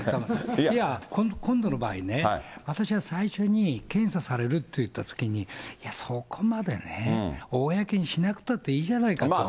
いや、今度の場合ね、私は最初に検査されるっていったときに、そこまでね、公にしなくたっていいじゃないかと。